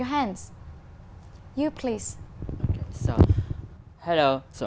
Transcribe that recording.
các bạn có thể nghĩ